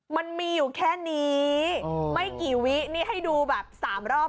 มันมีอยู่แค่นี้ไม่กี่วินี่ให้ดูแบบสามรอบ